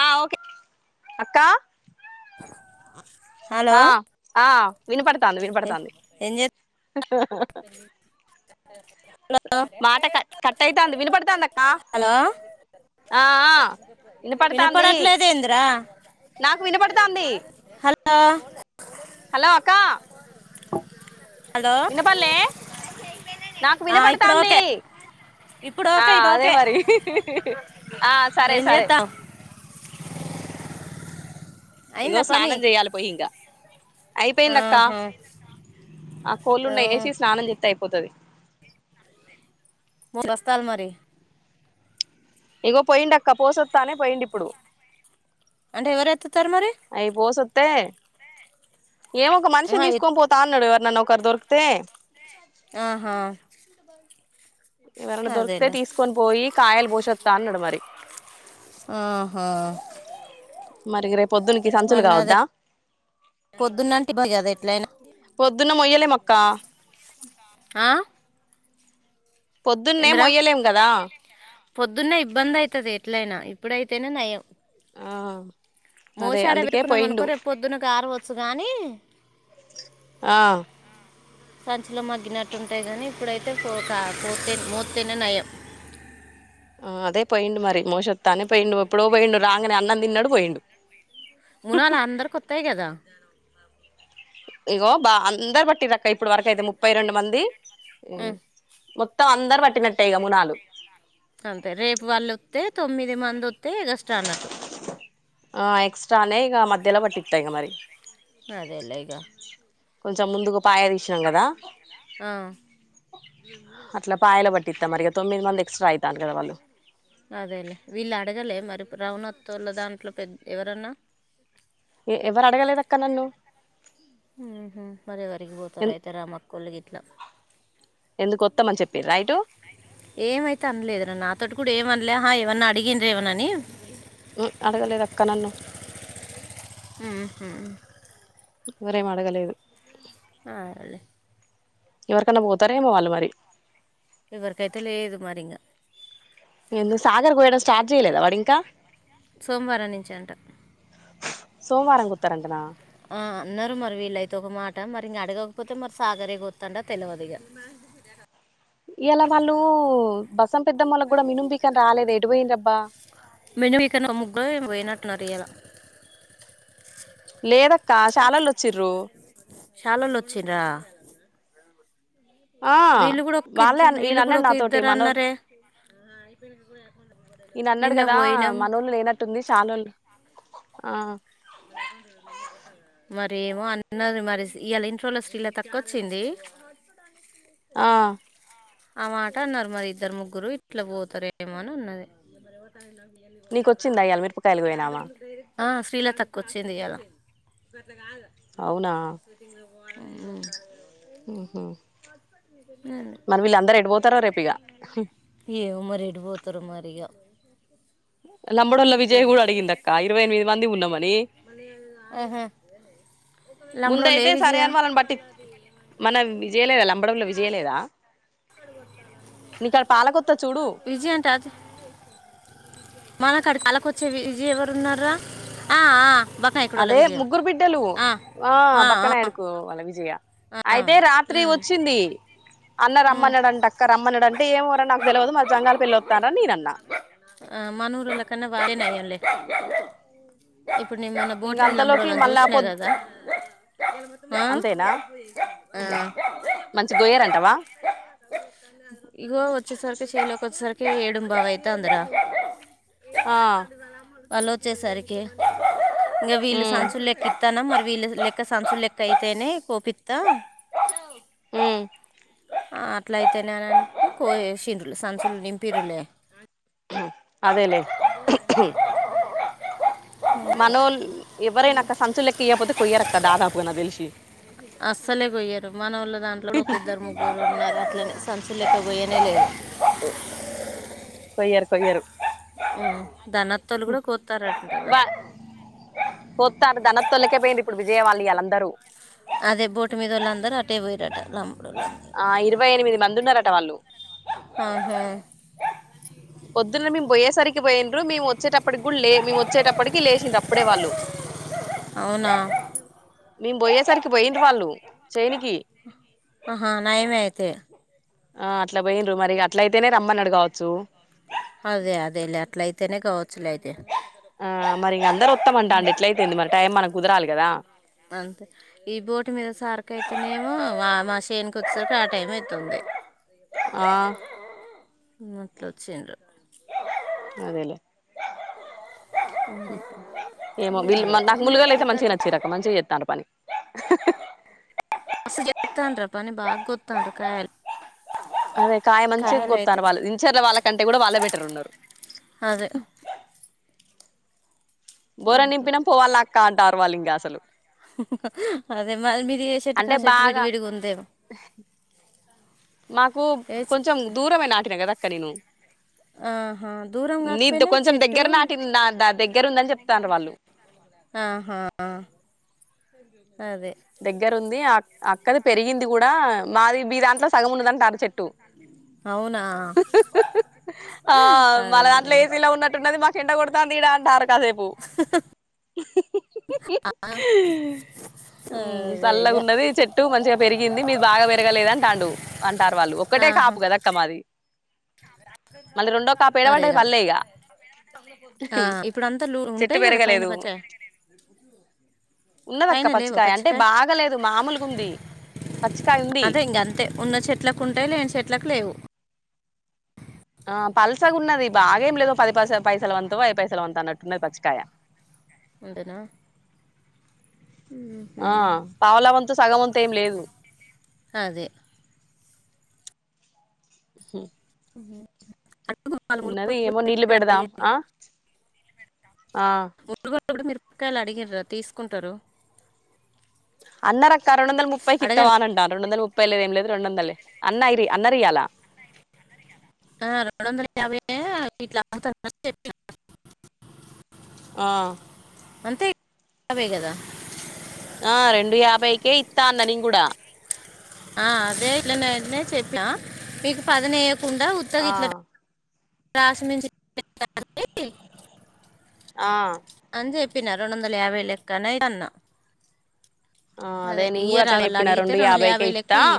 ఆ ఓకే అక్కా ఆ ఆ ఆ వినపడతాంది వినపడతంది ఏం హ హ హ చేస్తున్నావ్ మాట కట్ కట్ట అయితాంది వినపడుతాంది అక్క హలో ఆ ఆ ఇన్నపడతాంది వినపడట్లేదు ఏందిరా నాకు వినపడతాంది హ హలో అక్క హలో విన పాలె నాకు ఆ ఇప్పుడు వినపడతాంది ఓకే ఇప్పుడు ఆ ఓకే ఇప్పుడు అదే ఓకే మరి ఆ సరే ఏం సరే చేస్తాం [unintelligible] ఇగో అయిందా పని స్నానం చేయాలి పోయి ఇంకా అయిపోయిందక్క ఆహా ఆ కోళ్ళున్న వేసి స్నానం చెత్త అయిపోతది మ బస్తాల మరి ఇగో పోయిండక్క పోస తనే పోయిండుపుడు అంటే ఎవరు ఎత్తుతారు మరి అయి పోస తే ఏమొ ఒక ఆ, మనిషిని ఎత్- తీసుకొని పోతా అన్నాడు ఎవరు నన్ను ఒకరు దొరికితే ఆహా ఎవరనా దొరికితే అదేలే తీసుకొని పోయి కాయలు కొషస్తా అన్నాడు మరి ఆహా మరి రేపు పొద్దునికి సంచులు మళ్ళీ అదే కావద్దా పొద్దున్నంటే ఇబ్బంది కదా ఎట్లయినా పొద్దున్న మొయ్యలే మక్కా ఆ పొద్దున్నే ఎంద్రా మొయ్యలేం కదా పొద్దున్న ఇబ్బంది అయితుది ఎట్లయినా ఇప్పుడైతేనే నయం ఆ అదే మోసాడ అందుకే పెట్కున్నామ పోయిండు అనుకో రే పొద్దున గారవచ్చు గాని ఆ సంచులో మగ్గినట్టుంటాయి కానీ ఇప్పుడైతే పూర్తి మూర్తన నయం [inaudible] ఆ అదే పోయిడు మరి మోసొస్తానే పోయిండు ఎప్పుడో పోయిండు రాగానే అన్నం తిన్నాడు పోయిండు ఉన్నాళలందర్ కొతయ గదా ఇగో బా అందరు బట్టిదక్క ఇప్పుడు వరక అయితే ముప్పై రెండు మంది ఉం, మ తొం అందరు పట్టినట్టేయి గ మునాలు అంతే రేపు వాళ్ళు వస్తే తొమ్మిది మంది వస్తే యాగస్ట్రా అన్నట్టు ఆ ఎక్స్ట్రనే ఈక మధ్యలా బటితా ఇంగా మరి అదేలలేగా కొంచెం ముందుకు పాయ తీసినాం కదా ఆ టిత్త మరిగా తొమ్మిది మంది ఎక్స్ట్రా అయితన్నారుగా కదాళ్ళు అదేలే వీళ్ళు అడగలే మరి రౌణత్ళ దాంట్లో పెద్ద ఎవరన్నా ఎవరు అడగలేదు అక్క నన్ను మరే ఎ వరికిపోతారు అయితే రామక్కళ్ళ గ ఇట్లా ఎందుకు వత్తమని చెప్పిర్రు రైటు ఏమైతే అనలేదు నాతోటి ఇప్పుడ ఏమనలే హ ఏమన్నా అడిగిన్ర ఏమనని అడగలేదు అక్క నన్ను అహ ఇవరే మడగలేదు అే ఎవరికన్నా పోతారేమో వాళ్ళు మరి ఎవరికైతే లేదు మరి ఇంకా ఎందు సాగర్ పోయడం స్టార్ట్ చేయలేదా వాడు ఇంకా సోమవారం నుంచి అంట సోమవారం గుతారంటనా ఆ అన్నారు మరి వీళ్ళైతే ఒక మాట మరి ఇంక అడగకపోతే మరి సాగరే గుత్తండా తెలియదుగా ఇలా వాళ్ళు బసం పెద్దం వాళ్ళకి కూడా మనుంపకని రాలేదు ఎడి పోయింది రబ్బా మెను ఇక న ముగ్గులో పోయినట్టున్నారు ఇయలా లేదక్క శాలోళ్ళు వచ్చిర్రు సాల లోొచ్చిరా ఆ ఒక వాళ్ళే ఇద్దరు వీళ్ళు కూడా ఈయనన్నాడు ఒక నాతోటి ఇద్దరు మనోలు అన్నారే ఈయన అన్నాడు నిన్న కదా పోయినాం మనోళ్ళు లేనట్టుంది ాాలళ్లు ఆ మరేమో అన్నది మరి ఇవాళ ఇంట్్రోలో స్ీ ఇలా తక్కువ వచ్చింది ఆ ఆ మాట అన్నారు మరి ఇద్దరు ముగ్గురు ఇట్లా పోతారు ఏమోని ఉన్నది నీకొచ్చిందా ఇయ్యాల మిరపకాయలు కోయినామా ఆ శ్రీలత వచ్చింది ఇలా కాదు అవునా పో ఆఓహో అండి రేపు ఇగ ఏమో మరి ఎడిపోతారు మరిగా నలమ్మడోలో విజయ్ కూడాడ అడిగిందక్క ఇరవై ఎనిమిది మంది ఉన్నామని ఆహా లంబడో లే ముందయితే సరే విజయ అన వాళ్ళని బట్టి మన విజయలేద లంబడంలో విజయలేదా నీకాడ పాలకొత్త చూడు విజయ మనకుడి కళ్ళకి వచ్చే విజ ఎవరు ఉన్నారా అదే ముగగుర్బిడ్డలు ఆ బక్కన ఎడుకు అాల విజయ ఆ అయితే రాత్రి ఉమ్, వచ్చింది అన్న ఉమ్. రమ్మన్నాడు అంటే అక్క రమ్మన్నాడు అంటే ఏమవరని నాకు తెలియదు మారి జంగాలి పెళ్ళిొతుారని నే అన్నా మనూ రళక వాాధేనే అళే ఇప్పుడు నేమన్న ఇంక బోటు మీల్ళ అంతలోకి అమ్కోవాలని మళ్ళా చూసినా పొద్ కదా ఆ అంతేనా ఆ బ ఇగ వచ్చే సార్కి చైల్కి వచ్చ సార్కి ఏడుం బావ అయిత అంద్ర ఆ వాళ్ళ వచ్చేసరికి ఇంకా వీళ్ళు ఉమ్ సంచులు ఎెక్కిస్తానా మరి వీళ్ళ లెక్క సాన్సూలు లెక్క అయితేనే కోోపిిత్ ఆ అట్ల అయితేనేనంట కో చిండ్రులు సంచలు నింపిరులే అదేలే మనం ఎవరైనా అక్క సంచు లెక్క అయకపోతే కొయ్యరక్క దాదాపుయిన తెలిసి అస్సలే కొయ్యారు మన వాళ్ళ దాంట్లో కూడా ఒక ఇద్దరు ముగ్ళ్ళ ఉన్నారు అట్లనే సంచ లెక్క కొయనే లేదు కొయ్యరు కొయ్యరు ధనత్వాలు కూడా కొతారంటవా పొస్తారు ధన తొలికపోయింది ఇప్పుడు విజయవాళ్ళ వాళ్ళందరూ అదే బోటు మీద వాళ్ళ అందరుూ అటే పోయారుట ఆ ఇరవై ఎనిమిది మంది ఉన్నారట వాళ్ళు ఆహా, పొద్దున్న మేము పోయేసరికి పోయిండ్రు మేము వచ్చేటప్పటికి కూడా లే మేము వచ్చేటప్పటికి లేచిండ్ర అప్పుడే వాళ్ళు అవునా మేము పోయేసరికి పోయిండు వాళ్ళు చేనుకి ఆహా నయమే అయితే ఆ అట్లా పోయిన్రు మరి అట్ల అయితేనే రమ్మన్నాడు కావచ్చు అదే అదే లే అట్ల అయితేనే గౌ ఆ మరి ఇంక అందరుూ వత్తామంట అం ఎట్ల అయిపోయింది మరి టైం మనకి కుదరాలి కదా అంతే ఈ బోటు మీద సార్క అయితేనేమో మా మా చేనుకి వచ్చేసరికి ఆ టైం అయితుంది ఆ న్నట్లా వచ్చిండ్ర అదేలే మ్మ్ ఏమో వీళ్ళు నాకు ముందుగాల అయితే మంచిగా నచ్చిరు అక్క మంచిగా చేస్తర్ పని మస్త్ చేస్తాండ్రు పని బాగ్ గొతను కయల్ అదే కాయ మంచిగోత్తారు వాళ్ళు ఇంచర్ వాళ్ళ కంటే కూడా వాళ్ళే బెటర్ ఉన్నారు అదే బోర అట్లా. నింపినం పోవాల్ల అక్క అంటార్ వాళ్ళు ఇంకా అసలు అదే మరి మీది ఏ చెట్టు కా అంటే చెట్టు విడి బాగా విడి గుందేమో మాకు కొంచెం దూరమే నాటిన కదా అక్క నేను ఆహా దూరం నీ కాకపోయినా కొంచెం చెట్టు దగ్గర నాటి నా ద దగ్గర ఉందని చెప్తర్రు వాళ్ళు ఆహా అదే దగ్గరు ఉంది అ అక్కది పెరిగింది కూడా మాది మీ దాంట్లో సగం ఉన్నదంటారు చెట్టు హా ఆ మళ దాంట్లో అదేలే ఏసీలో ఉన్నట్టున్నది మాకు ఎండ కొడుతు తుందిఇడా అంటారు కాసేపు ఆ హ్మ్ చల్లగా ఉన్నది చెట్టు మంచిగా పెరిగింది మీది బాగా పెరగలేదు అంటాండు అంటారు వాళ్ళు ఒక్కటే కాపు కద అక్క మాది మళ్ళీ రెండో కాపు ఏడబడ్డది అరేగా పల్లె ఇగ ఆ ఇప్పుడు అంతా లు చెట్టు ఉంటాయి కదా పైన పెరగలేదు పచ్చ ఉన్నదక్క పైన లేవు పచ్చికయ అంటే పచ్చకాయ బాగాలేదు మామూలుగ ఉంది పచ్చికాయ ఉంది అదే ఇంక అంతే ఉన్న చెట్లకు ఉంటాయి లేని చెట్లకు లేవు ఆ పల్సగా ఉన్నది భాగేమి లేదు ఓ పది పైసల వంతో ఐదు పైసలు వంతో అన్నట్టున్నది పచ్చికాయ అంటనా ఆ పావలావంతు సగం వంతు ఏం లేదు అదే హ్మ్ అడుగు వాళ్ళు ఉన్నది ములుగులు కూడా ఏమో నీళ్లు మిరపకాయలు పెడదాం అడిగారు ఆ ఆ ఇప్పుడు మిరపకాయలు అడిగిర్ర తీసుకుంటారు అన్నరక్క రెండు వందల ముప్పై కీత్తవ అడగాలి అని రెండు వందల ముప్పై ప్పలేదు ఏం లేదు రెండు వందల్లే అన్న ఇరి అన్నరీయాల ఆ రెండు వందల యాభై ఎ ఇట్లా అముతారు అని చెప్పిరు ఆ అంతే బేగదా ఆ రెండు యాభైకే ఇస్తా అన్న నేను కూడా ఆ అదే ఇట్లనేనే చెప్పా మీకు పదని వేయ్యకుండా ఉత్తగా ఆ ఇట్లా అసల్ నేన్ చెప్ప ఆ అని చెప్పిన రెండు వందల యాభై లెక్కనే అన్న ఆ అదే నేను ఇయ కూడా రా అట్లనే చెప్పిన అడిగితే రెండు వందల యాభైకే యాభైలెక్క ఇత్తా ఇయ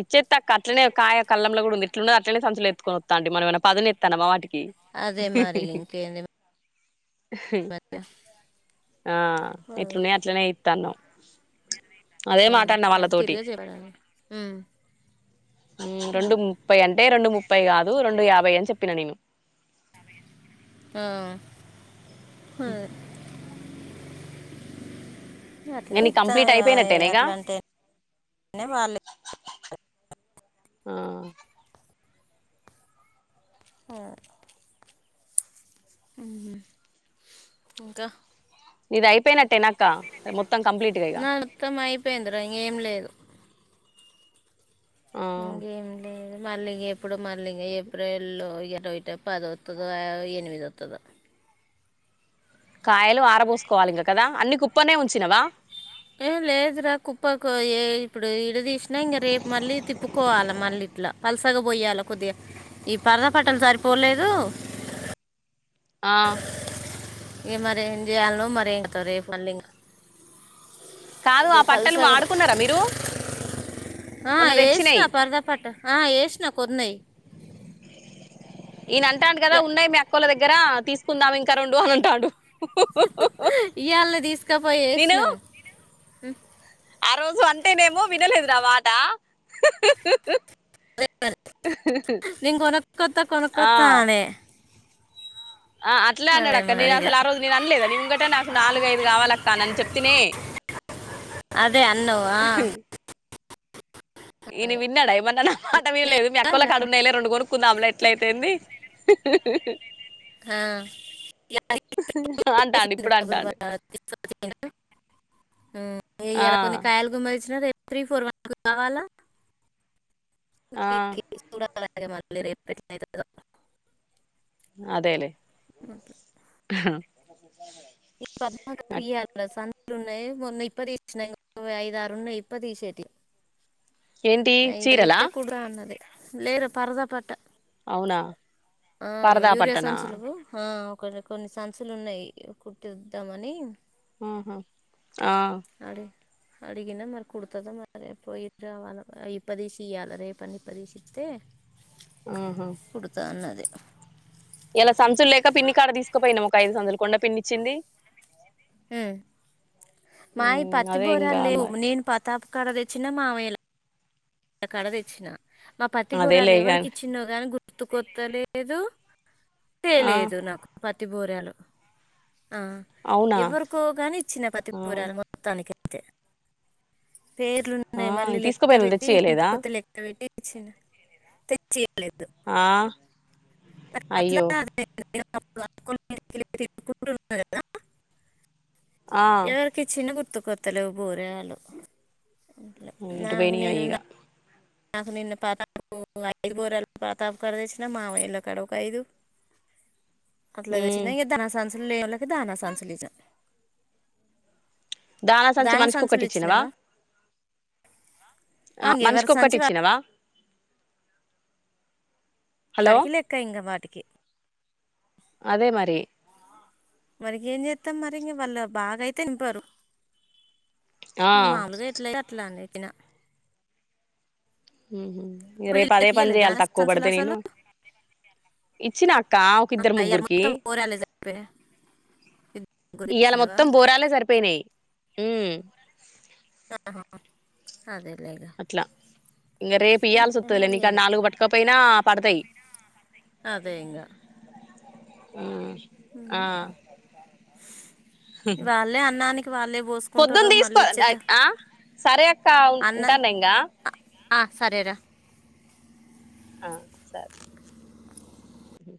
ఇచ్చేత్ అక్క అట్నే కాయ కళ్ళంలో కూడా ఉంది ఇట్లుండో అట్నే సంచులుత్కొ వాత మనము ఏమన్న పదును తెస్తున్నామా వాటికి అదే ఇ బద్ద ఆ ఎట్లున్నాయి అట్లనే అయితనావ్ ఉ అంతే తిరిగా చేయబడాను ఉ ఉ రెండు ముడ్ అంటే రెన్ రెండు ముప్పై కాదు రెండు యాభై అని చెప్పిన నేను ఆ హ అట్లా ఇంగ నీది ఇత్తా కంప్లీట్ అయిపోయినట్టేనా ఇగ అట్లాంటే నే వాళ్ళు ఆ ఆ ఉహు ఇంకా ఇది అయిపోయినట్టేనక్క మొత్తం కంప్లీట్గా ఇగ నాది మొత్తం అయిపోయిందిరా ఇంకేం లేదు ఆ ఇంగేమి లేద మళ్ళీ ఇంగ ఎప్పుడు మళ్ళీ ఇంగ ఏప్రిల్ల్లో ఇరవై పదవత్తదో, ఎనిమిది వత్తదో ఆ కాయలు ఆరబోసుకోవాలి. ఇంకా కదా అన్ని కుప్పనే ఉంచినవా ఏ లేదురా కుప్పకు ఏ ఇప్పుడు ఇడ తీసినా ఇంక రేపు మళ్ళీ తిప్పుకోవాలా మళ్ళీ ఇట్లా పల్సగ పోయాల కొద్దిగా ఈ పర పట్టలు సరిపోలేదు. ఆ ఇం మరి ఏం చేయాలనో మరి ఏం కత రేపు మళ్ళీ ఇంక కాదు ఆ పట్టలు వాడుకున్నార మీరు ఆ మొన్న వేసిన తెచ్చినాయి పరదపట్ట ఆ వేసిన కొన్నయి ఈయన అంటాండు గదా ఉన్నాయి. మీ అక్కోల దగ్గర తీసుకుందాం. ఇంకా రెండు అని అంటాండు. ఇయాళ్ళ తీసుకపోయ్ నేను వేసినాం ఆ రోజు అంటేనేమో వినలేదు నా మాట నేను కొనకత్తా ఆ కొనకత్తా అనే ఆ అట్లే అదే అన్నాడక్క. నేను మరిగా అసలు ఆ రోజు నేను అనలేదని, నీ ముంగటే నాకు నాలుగు ఐదు కావాలక్క నన్ చెప్తినే. ఆ అదే అన్నవ్ ఆ ఈన విన్నాడా ఏమన్నన మాట విల్లేదు మీ అక్కోళ్ళ కాడ ఉన్నాయిలే రెండు కొనుక్కుందాంలే ఎట్ల అయితేంది. ఆ. ఇక ఆ అంటాంది తీసుకొచ్చిండు ఇప్పుడు అంటాంది ఉ ఇయ్యాల కొన్ని కాయలు గుమ్మలిచ్చిన రేపు త్రీ ఫోర్ వన్ కావాలా ఆ [inaudible] అదేలేే హా ఇ పద్మ ఇయ్యాల సన్ రున్నాయి మొన్న ఇప్ప తీసినాయి ఇంగ ఐదు ఆరున్నాయి ఇప్ప తీసేటి ఏంటి ఇడ చీరలా తీత్తే కుర్రా అన్నది లేదు పరద అంట అవునా ఆ పరదా యూరియా పట్టనా సంసులు ఆ కొన్ని కొన్ని చన్సులు ఉన్నయ్ కుట్టుదామని ఆహా ఆ అడిగిందా మరి కుడుతాద మరి పోయిద్దామా ఇప్పదీసీయాల రేపని ఇప్పదీసీత్తే ఆహా కుడుతన్నది ఇలా సంచులు లేక పిన్ని కాడ తీసుకుపోయినాం ఒక ఐదు సంచులు కొండ పిన్నిచ్చింది ఉ మాయి ఉమ్ పత్తి అదే ఇంగా బోరాలు లేవు మరి నేను తప్ కడ తెచ్చిన మావేలె ఇ కడ తెచ్చిన మా పత్తి అదే బురాలు ఎవరికి లేగాని ఇచ్చిన్నో గాని గుర్తుకొత్తలేదు. తే ఆ లేదు నాకు పత్తి బూరలు ఆ అవునా ఎవరికో గాని ఇచ్చినా పత్తి ఆ పూరాలు మొత్తానికైతే ఆ పేర్లున్నాయి మళ్ళీ లెక్క తీసుకుపోయిన పెట్టి తెచ్చియలేదా [unintelligible] లెక్క పెట్టి ఇచ్చింది తెచ్చిఇయ్యాలేదు ఆ అట్ల అయ్యో [unintelligible] అకున్నారు కదా ఆ ఎవరికి ఇచ్చినో గుర్తుకొత్తలేవు బోరగాళ్లు ఉ ఎటు పోయినాయో ఈగ నాకు నిన్న పాతాపు ఐదు బోరలు పాతాపు కడ తెచ్చిన మామ ఇండ్ల కాడ ఒక ఐదు అట్లా ఉమ్ తెచ్చిన తన సన్సులు లేలనీకి తన సన్సులు దానా సంచి దాన మనిషికి సంచులు ఒక్కటి ఇచ్చినవా ఇచ్చినావా ఆ ఎవరి మనిషికి సన్ ఒక్కటి ఇచ్చినవా హలో కడికి లెక్క ఇంక వాటికి అదే మరి మనకి ఏం చేస్తాం మరి ఇంకా వాళ్ళు బాగా అయితే నింపారు ఆ ను మామూలుగా ఎట్ల అయితే అని చెప్పినా రేపు అదే పని ఇయ్యలే చేయ్యాలి దాన తక్కువ సంచులు పడితే నేను అసలు ఇచ్చినా అక్క ఒక ఇద్దరి అయ్యాలి ముగ్గురికి మొత్తం ఊరాలే సరిపోయా ఇద్దరు ఇవాళ ఇచ్చినవా మొత్తం బోరాలే సరిపోయినాయి హా హా అదేలే ఈగ ఇంక రేపు ఈయాల్సి వస్తది నీ కడా నాలుగు పట్టుకపోయినా పడతాయి అదే ఇంగ ఆ ఉ వాళ్ళే అన్నానీ పొద్దున్న తీసుకో ఆ సరే అక్క ఉ అన్న ఉంటాను ఇంకా ఆ సరే రా ఆ సరే ఉ